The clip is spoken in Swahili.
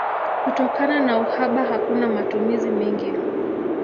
Kutokana na uhaba hakuna matumizi mengi.